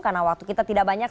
karena waktu kita tidak banyak